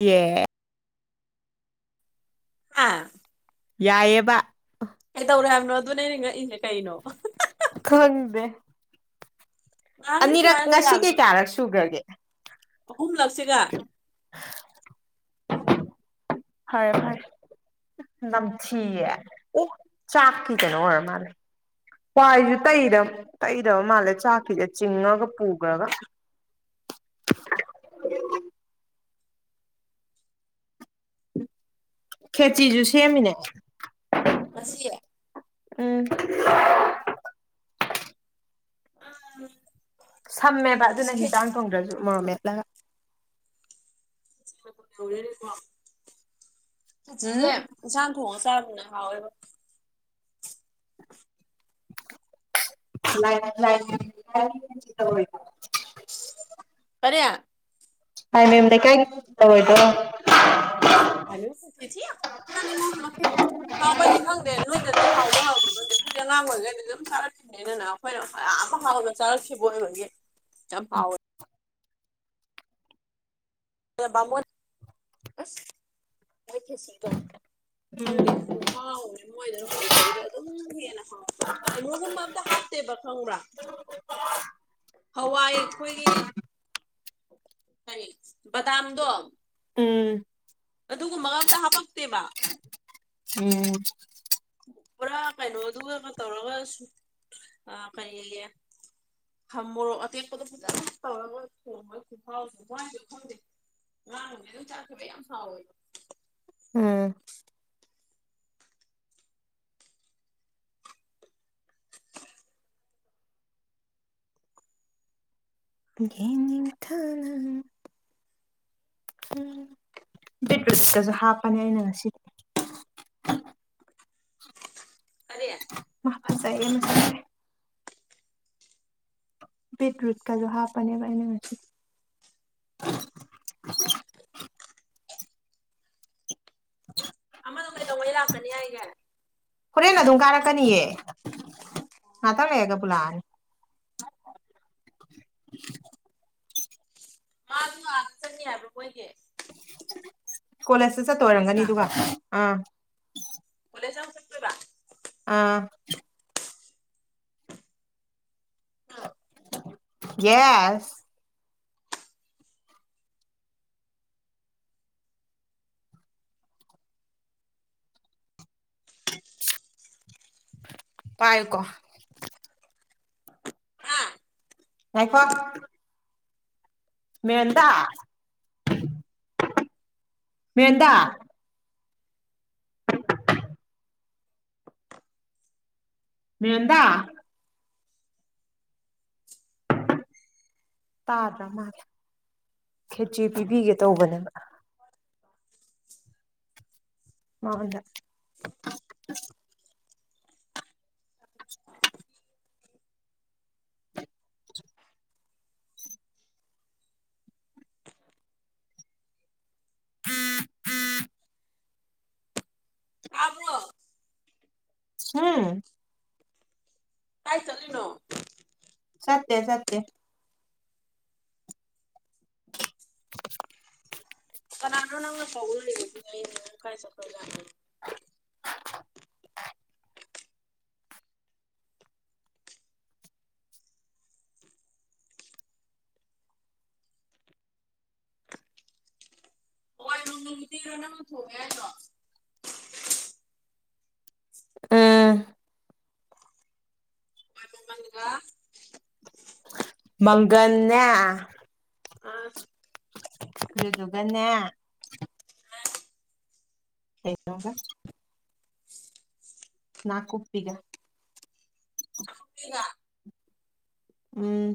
ꯌꯦ ꯑꯥ ꯌꯥꯏꯕ ꯑꯩ ꯇꯧꯔꯦ ꯍꯥꯏꯕꯅꯣ ꯑꯗꯨꯅ ꯑꯩꯅ ꯉꯛꯏꯁꯦ ꯀꯩꯅꯣ ꯈꯪꯗꯦ ꯉꯡꯁꯨꯃ ꯑꯅꯤꯔꯛ ꯉꯁꯤꯒꯤ ꯇꯩꯌꯥꯔꯁꯨ ꯀꯌꯥꯔꯛ ꯁꯨꯈ꯭ꯔꯒꯦ ꯑꯍꯨꯝꯂꯛꯁꯤꯒ ꯍꯥꯏ ꯍꯥꯏ ꯅꯝꯊ ꯆꯥꯛꯀꯤ ꯀꯅꯣ ꯑꯣꯏꯔ ꯃꯥꯅꯦ ꯋꯥꯏꯁꯨ ꯇꯩ ꯇꯩꯕ ꯃꯥꯜꯂꯦ ꯆꯥꯛꯀꯤꯁꯦ ꯆꯤꯡꯉꯒ ꯄꯨꯈ꯭ꯔꯒ ꯈꯦꯆꯤꯁꯨ ꯁꯦꯝꯃꯤꯅꯦ ꯍꯁꯤ ꯎꯝ ꯑ ꯊꯝꯃꯦꯕ ꯑꯗꯨꯅ ꯍꯤꯟꯖꯥꯡ ꯊꯣꯡꯗ꯭ꯔꯁꯨ ꯃꯣꯔꯣ ꯃꯦꯠꯂꯒ ꯎꯝ ꯆꯤꯆꯤꯁꯦ ꯏꯟꯁꯥꯡ ꯊꯣꯡꯉ ꯆꯥꯕ ꯑꯣ ꯍꯥꯎꯕ [inaudible] ꯂ ꯐꯌꯥ ꯍꯥꯏ ꯃꯌꯦꯝꯗ ꯀꯥꯏ ꯇꯧꯔꯣꯏꯗꯣ ꯊꯤ ꯍꯥꯎꯕ ꯌꯥꯅꯤ ꯃꯈ ꯍꯥꯎꯕ ꯍꯥꯏꯗꯤ ꯈꯪꯗꯦ ꯅꯣꯏꯗꯗꯤ ꯍꯥꯎꯕ ꯍꯥꯎꯏ ꯑꯗꯨ ꯅꯠꯇ ꯑꯩꯈꯣꯏꯁꯦ ꯑꯉꯥꯡ ꯑꯣꯏꯔꯤꯈꯩꯗꯤ ꯑꯗꯨꯝ ꯆꯥꯔꯛꯈꯤꯕꯅꯤꯅꯅ ꯑꯩꯈꯣꯏꯅꯌꯥꯝ ꯍꯥꯎꯕ ꯆꯥꯔꯛꯈꯤꯕ ꯑꯣꯏꯕꯒꯤ ꯆꯝ ꯐꯥꯎ [inaudible] ꯍꯪꯗꯦ ꯍꯥꯎ ꯃꯣꯏꯗꯅ ꯍꯧꯖꯤꯛ ꯐꯥꯎꯗ ꯑꯗꯨꯝ ꯍꯦꯟꯅ ꯍꯪꯉꯦ ꯀꯩꯅꯣꯒꯨꯝꯕ ꯑꯝꯇ ꯍꯥꯞꯇꯦꯕ ꯈꯪꯕ꯭ꯔꯥ [unintelligible] ꯍꯋꯥꯏ ꯑꯩꯈꯣꯏꯒꯤ ꯐꯔꯤ ꯗꯥꯝꯗꯣ ꯎꯝ ꯑꯗꯨꯒꯨꯝꯕ ꯑꯝꯇ ꯍꯥꯄꯛꯇꯦꯕ ꯄꯨꯔꯥ ꯀꯩꯅꯣ ꯑꯗꯨꯒꯒ ꯇꯧꯔꯒꯁꯨ ꯑ ꯀꯔꯤꯌ‌ꯦ ꯍ ꯃꯣꯔ‌ꯣꯛ ꯑꯇ‌ꯦꯛꯄꯗꯨ ꯇꯧꯔꯒ [unintelligible] ꯉꯅꯦ ꯑꯗꯨꯝ ꯆꯥꯈꯤꯕ ꯌꯥꯝ ꯍꯥꯎꯋꯦꯕ ꯎꯝ ꯒꯅꯤ ꯊꯅ ꯎ ꯕꯤꯠꯔꯤꯠꯇꯁꯨ ꯍꯥꯞꯄꯅꯦ ꯑꯩꯅ ꯉꯁꯤꯗꯤ ꯍ ꯐꯔꯦ ꯃ ꯐꯖꯥꯏꯦ ꯕꯤꯠꯔꯨꯠ ꯀꯗꯣ ꯍꯥꯄꯅꯦꯕꯅ ꯍꯧꯖꯤ [unintelligible] [unintelligible] ꯑꯃꯗꯣ ꯀꯩꯗꯧꯉꯩ ꯂꯥꯛꯀꯅꯤ ꯍꯥꯏꯒꯦ ꯍꯣꯔꯦꯟ ꯑꯗꯨꯝ ꯀꯥꯔꯛꯀꯅꯤꯑ ꯉꯥꯛꯇꯧ ꯂꯑꯒ ꯄꯨꯂꯛꯑꯅꯤ [unintelligible] ꯥꯗ ꯆꯪꯉꯦ ꯍꯥꯏꯕ꯭ꯔꯣ ꯃꯣꯏꯒꯤ ꯀꯣꯂꯦꯖꯇ ꯆꯠꯇ ꯑꯣꯏꯔꯝꯒꯅꯤ ꯀꯣꯂꯦꯖꯇ ꯑꯗꯨꯒ ꯑꯥ ꯆ ꯆꯠ ꯀ ꯑꯥ ꯁ ꯄꯥꯏꯀꯣ ꯍꯥ ꯉ ꯐꯣ ꯃꯦꯟꯗꯥ ꯃꯦꯍꯦꯟꯗꯥ ꯌ‌ꯣꯍ‌ꯦꯞꯕ ꯇꯥꯗ꯭ꯔꯥ ꯃꯥꯜꯂꯦ ꯈꯦꯆ꯭ ꯄꯤꯕꯤꯒꯦ ꯇꯧꯕꯅꯦꯕ [unintelligible] ꯃꯥꯉ‌ꯣꯟꯗ ꯇꯥꯕ꯭ꯔꯣ ꯎꯝ ꯇꯥꯏ ꯆꯂꯤꯅꯣ ꯆꯠꯇ‌ꯦ ꯆꯠꯇ‌ꯦ ꯀꯅꯅꯣꯅ ꯐꯧ ꯂꯩ ꯀꯥꯏ ꯆꯄ ꯔꯣ ꯊ‌ꯣꯡꯉ‌ꯦ ꯍꯥꯏꯗ‌ꯣ ꯎꯝ ꯍꯥꯡꯒ ꯃꯪꯒꯟꯅꯦ ꯀꯗꯨꯗꯨꯒꯅꯦ ꯀꯩꯅ‌ꯣꯒ ꯅꯥꯀꯨꯞꯄꯤꯒ ꯑꯒ ꯎꯝ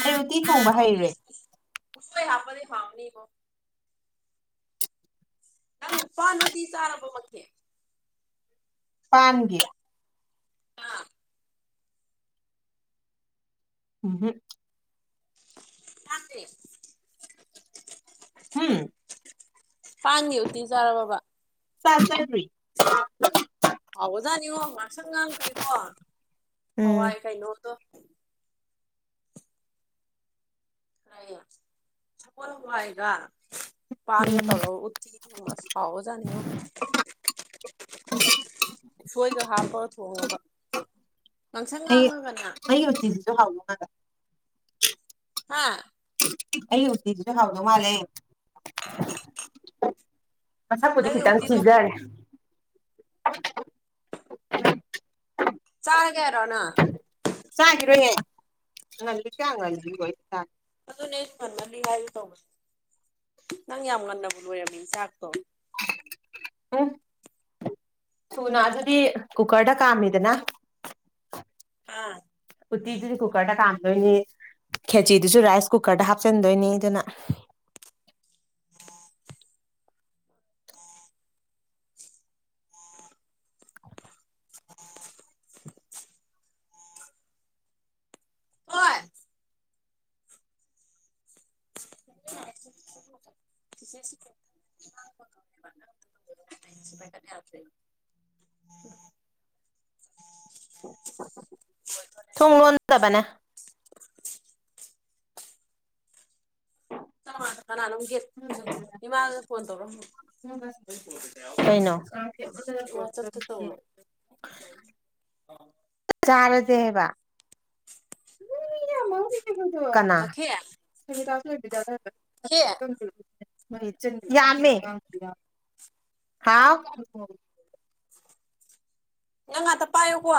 ꯑꯩ ꯎꯇꯤ ꯊ‌ꯣꯡꯕ ꯍꯥꯎꯅꯤ ꯍꯩꯔ‌ꯦ ꯎꯁꯣꯏ ꯍꯥꯞꯄꯗꯤ ꯍꯥꯎꯅꯤꯕꯣ ꯄꯥꯅ‌ꯎꯇꯤ ꯆꯥꯔꯕ‌ꯣ ꯑꯗꯨꯗꯤ ꯄꯟꯒꯤꯔꯥ ꯑꯥ ꯎꯝ ꯍꯝ [inaudible] ꯍꯨꯝ ꯐꯥꯟꯒꯤ ꯎꯇꯤ ꯆꯥꯔꯕꯕꯥ ꯆꯥꯖꯗꯔꯤ ꯍꯥꯎꯕꯖꯥꯠꯅꯤꯉꯣ ꯉꯥꯡꯁꯪ ꯉꯥꯡꯈꯔ꯭ꯦꯀꯣ ꯎꯝ ꯍꯋꯥꯏ ꯀꯩꯅꯣꯗꯣ ꯑꯒ ꯄꯥꯟꯒ ꯎꯝ ꯇꯧꯔ ꯎꯠꯇꯤ ꯊꯣꯡꯕ ꯑꯁ ꯍꯥꯎꯒꯖꯥꯅꯤꯉꯣ ꯁꯣꯏꯒ ꯍꯥꯞꯄꯒ ꯊꯣꯡꯉꯕ ꯉꯥꯡꯁꯪ ꯑꯩ ꯉꯥꯡꯉꯒꯅꯦ ꯑꯩ ꯌꯇꯤꯁꯤꯁꯨ ꯍꯥꯎꯕ ꯍꯥꯥ ꯑꯩ ꯎꯇꯤꯁꯤꯁꯨ ꯍꯥꯎꯗꯧ ꯃꯥꯜꯂꯦ ꯃꯁꯛꯄꯨꯗꯤ ꯅꯪꯒꯤ ꯈꯤꯇꯪ ꯎꯇꯤꯗꯣ ꯊꯤꯖꯔꯦ ꯆꯥ ꯆꯥꯒꯤꯔꯣꯏꯌꯦ ꯉꯜꯂꯤ ꯆꯥ ꯉꯜꯒꯤ [unintelligible] ꯑꯗꯨꯅꯦ ꯑꯩꯁꯨ ꯉꯃꯜꯂꯤ ꯍꯥꯏꯒꯦ ꯇꯧꯕꯅꯦ ꯅꯪ ꯌꯥꯝ ꯉꯟꯅꯕ ꯂꯣꯏꯔꯝꯃꯤꯥ ꯆꯥꯛꯇꯣ ꯎ ꯁꯨꯅ ꯑꯗꯨꯗꯤ ꯀꯨꯀꯔꯗ ꯀꯥꯝꯃꯤꯗꯅ ꯑꯥ ꯎꯇꯤꯗꯨꯗꯤ ꯀꯨꯀꯔꯗ ꯀꯥꯝ ꯗꯣꯏꯅꯤ ꯈꯦꯆꯤꯗꯨꯁꯨ ꯔꯥꯏꯁ ꯀꯨꯀꯔꯗ ꯍꯥꯞꯆꯤꯟꯗꯣꯏꯅꯤ ꯑꯗꯨꯅ [unintelligible] ꯑꯣꯏ [inaudible] ꯁꯤ [unintelligible] [unintelligible] ꯊꯨꯡ ꯂꯣꯟꯗꯕꯅꯦ ꯀꯅꯥꯅꯣꯝ ꯒꯦꯠ ꯏꯃꯥ ꯐꯣꯟ ꯇꯧꯔꯛꯑꯝ ꯀꯩꯅꯣ ꯇꯧꯔꯣ [unintelligible] ꯆꯥꯔꯖ ꯍꯩꯕ ꯀꯅꯥ [unintelligible] ꯃꯈꯦ ꯈꯦ [unintelligible] ꯌꯥꯝꯃꯦ ꯍꯥꯎ ꯅꯡ ꯉꯥꯇ ꯄꯥꯏꯌꯨꯀꯣ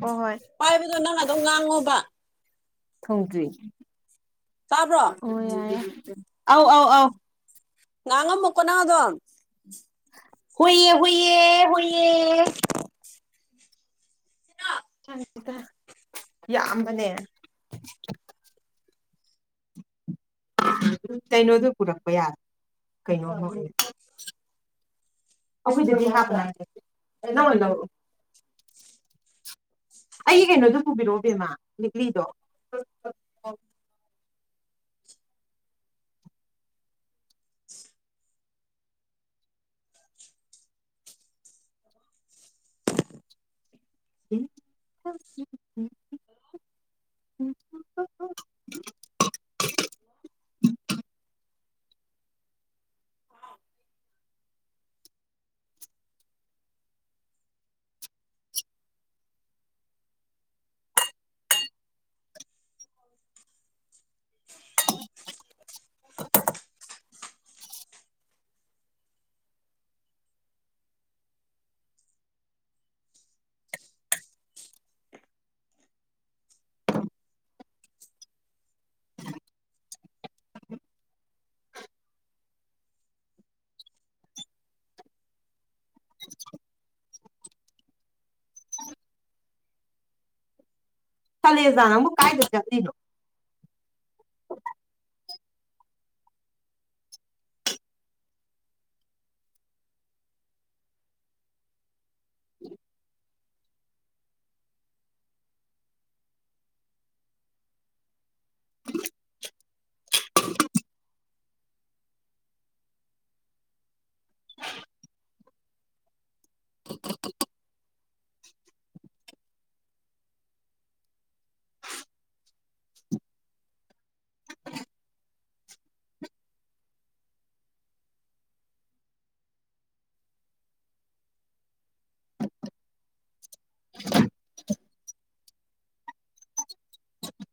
ꯍꯣꯏ ꯍꯣꯏ ꯄꯥꯏꯕꯗꯣ ꯅꯪ ꯑꯗꯨꯝ ꯉꯥꯡꯉꯣꯕ ꯊꯣꯡꯗ꯭ꯔꯤ ꯇꯥꯕ꯭ꯔꯣ ꯑꯣ ꯌꯥꯏ ꯌꯥꯏ ꯑꯧ ꯑꯧ ꯑꯧ ꯉꯥꯡ ꯉꯝꯃꯨꯀꯣ ꯅꯥ ꯑꯗꯨꯝ ꯍꯨꯏꯌꯦ ꯍꯨꯏꯌꯦ ꯍꯨꯏꯌꯦ ꯌꯥꯝꯕꯅꯦ ꯀꯩꯅꯣꯗꯨ ꯄꯨꯔꯛꯄ ꯌꯥ ꯀꯩꯅꯣ ꯑꯩꯗꯨꯗꯗꯤ ꯍꯥꯕ ꯂ ꯅ ꯅꯔ ꯑꯩꯒꯤ ꯀꯩꯅꯣꯗꯨ ꯄꯨꯕꯤꯔꯛꯑꯣ ꯕꯦꯝꯃꯥ ꯂꯤꯛꯂꯤꯗꯣ [unintelligible] [inaudible] ꯆꯂꯦꯖ ꯅꯪꯕꯨꯨ ꯀꯥꯏꯗ ꯆꯠꯂꯤꯅꯣ ꯎ [unintelligible]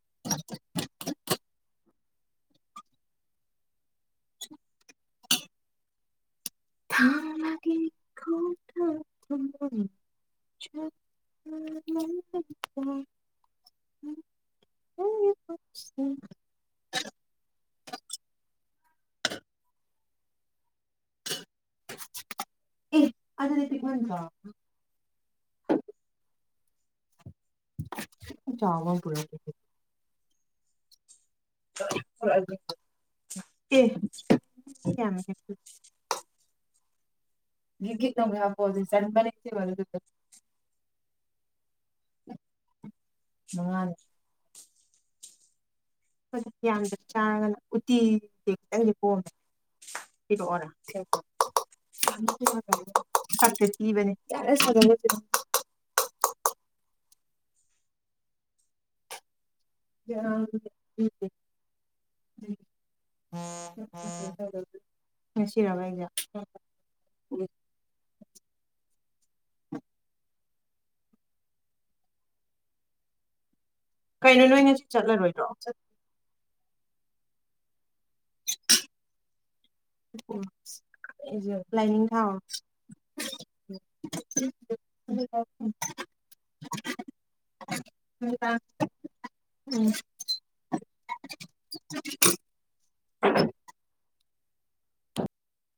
[unintelligible] ꯊꯥꯡꯂꯒꯦ ꯈꯣꯡꯊꯥꯡ ꯊꯅꯣꯏꯅ ꯆꯠꯄ ꯂꯝꯃꯤꯗ ꯎꯝ ꯎꯝ ꯎꯝ ꯑꯦ ꯑꯗꯨ ꯆꯥꯎ ꯑꯃꯥꯏ ꯄꯨꯔ ꯑꯦ ꯀ ꯉꯒꯠꯣꯒ ꯑ ꯑꯗꯨ ꯁꯟꯕꯅꯦꯁꯤꯦ ꯋꯥꯔꯤꯔꯗꯨ ꯃꯥꯉꯥꯟ ꯌꯥꯝꯅ ꯆꯥꯡꯅꯅ ꯎꯇꯤ ꯈꯤꯇꯪꯗꯤꯦ ꯄꯣꯝꯃꯦ ꯄꯔꯛꯑꯣꯅꯦ ꯊꯦꯡꯨ ꯆꯕꯅꯦ ꯀ ꯝ ꯎꯝ ꯎꯝ ꯍ ꯉꯁꯤꯔꯕꯥꯏꯖ [inaudible] ꯀꯩꯅꯣ ꯅꯣꯏꯅꯁꯨ ꯆꯠꯂꯔꯣꯏꯗ꯭ꯔꯣ ꯎꯁꯨ ꯂꯥꯏꯅꯤꯡ ꯊꯥꯎ [unintelligible] ꯍ ꯎꯝ ꯑ